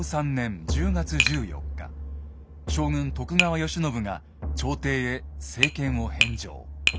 将軍・徳川慶喜が朝廷へ政権を返上。